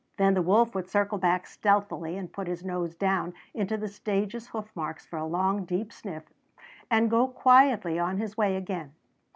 Then the wolf would circle back stealthily and put his nose down into the stag's hoof marks for a long, deep sniff, and go quietly on his way again.